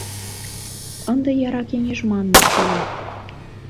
Ынде яра кеҥеж манме шуын.